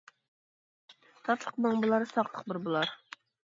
تاتلىق مىڭ بولار، ساقلىق بىر بولار.